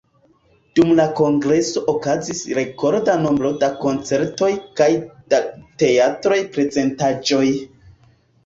Dum la Kongreso okazis rekorda nombro da koncertoj kaj da teatraj prezentaĵoj.